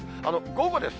午後です。